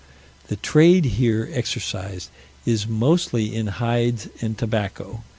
The trade here exercised is mostly in hides and tobacco.